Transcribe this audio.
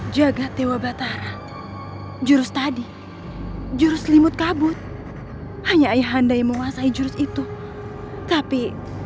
jaga tewa batara jurus tadi jurus selimut kabut hanya ayah anda yang menguasai jurus itu tapi